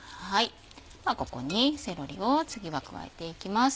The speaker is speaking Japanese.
ではここにセロリを次は加えていきます。